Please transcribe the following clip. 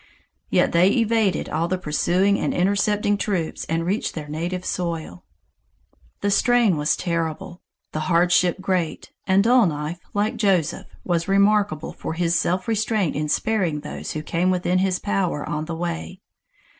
Yet they evaded all the pursuing and intercepting troops and reached their native soil. The strain was terrible, the hardship great, and Dull Knife, like Joseph, was remarkable for his self restraint in sparing those who came within his power on the way.